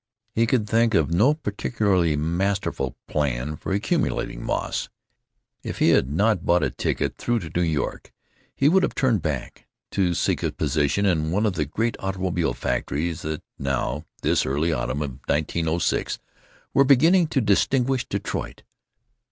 He could think of no particularly masterful plan for accumulating moss. If he had not bought a ticket through to New York he would have turned back, to seek a position in one of the great automobile factories that now, this early autumn of 1906, were beginning to distinguish Detroit.